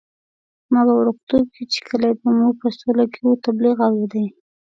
ما په وړکتوب کې چې کلی مو په سوله کې وو، تبلیغ اورېدلی.